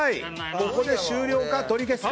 ここで終了か取り消すか。